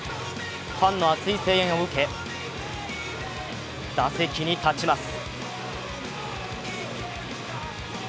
ファンの熱い声援を受け打席に立ちます。